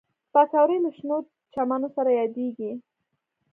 پکورې له شنو چمنو سره یادېږي